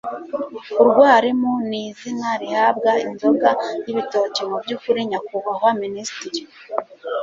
urwarimu ni izina rihabwa inzoga y'ibitoki mu by'ukuri nyakubahwa miinisitiri